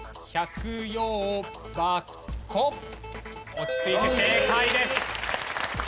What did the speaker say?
落ち着いて正解です。